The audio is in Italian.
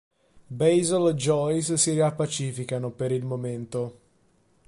Basil e Joyce si riappacificano, per il momento.